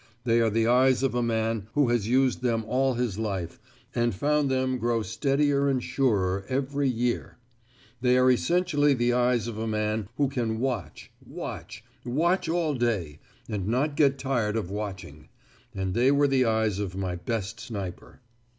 They are the eyes of a man who has used them all his life, and found them grow steadier and surer every year. They are essentially the eyes of a man who can watch, watch, watch all day, and not get tired of watching; and they were the eyes of my best sniper.